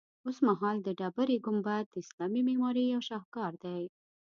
اوسمهال د ډبرې ګنبد د اسلامي معمارۍ یو شهکار دی.